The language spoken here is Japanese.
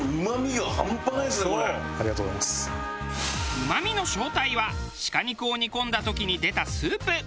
うまみの正体は鹿肉を煮込んだ時に出たスープ。